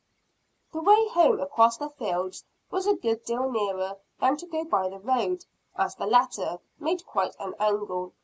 The way home across the fields was a good deal nearer than to go by the road, as the latter made quite an angle.